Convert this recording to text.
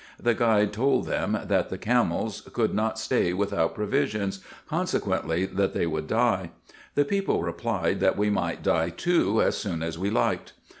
The guide told them, that the camels could not stay without provisions, consequently that they would die. The people replied, that we might die too as soon as we liked.